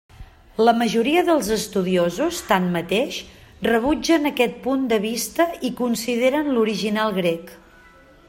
La majoria dels estudiosos, tanmateix, rebutgen aquest punt de vista i consideren l'original grec.